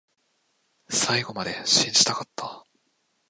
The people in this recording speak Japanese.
最後まで信じたかった